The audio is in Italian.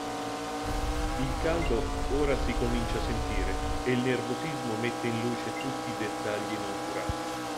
Il caldo ora si comincia a sentire e il nervosismo mette in luce tutti i dettagli non curati.